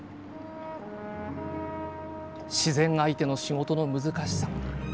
自然相手の仕事の難しさ。